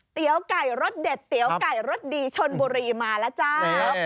ไก่รสเด็ดเตี๋ยวไก่รสดีชนบุรีมาแล้วจ้า